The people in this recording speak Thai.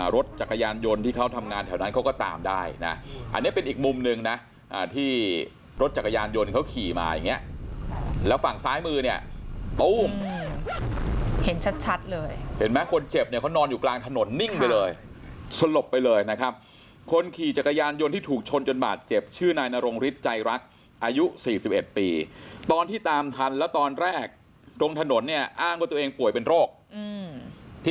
รถจักรยานยนต์ที่เขาทำงานแถวนั้นเขาก็ตามได้นะอันนี้เป็นอีกมุมหนึ่งนะที่รถจักรยานยนต์เขาขี่มาอย่างเงี้ยแล้วฝั่งซ้ายมือเนี้ยอุ้มเห็นชัดชัดเลยเห็นไหมคนเจ็บเนี้ยเขานอนอยู่กลางถนนนิ่งไปเลยสลบไปเลยนะครับคนขี่จักรยานยนต์ที่ถูกชนจนบาดเจ็บชื่อนายนโรงฤทธิ์ใจรักอายุสี่สิบเอ็ดปีตอนที่ตามทันแล้วต